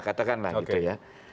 katakanlah gitu ya